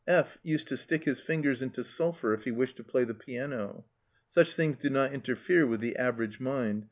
F—— used to stick his fingers into sulphur if he wished to play the piano.... Such things do not interfere with the average mind